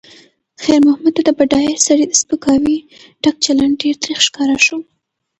خیر محمد ته د بډایه سړي د سپکاوي ډک چلند ډېر تریخ ښکاره شو.